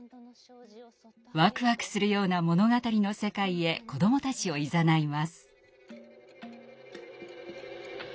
わくわくするような物語の世界へ子どもたちをいざないます。